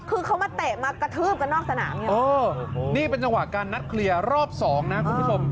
คือเขามาเตะมากระทืบกันนอกสนามไงเออนี่เป็นจังหวะการนัดเคลียร์รอบสองนะคุณผู้ชม